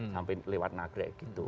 sampai lewat nagrek gitu